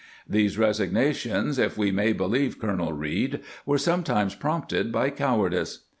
^ These resignations, if we may believe Colonel Reed, were sometimes prompted by cowardice.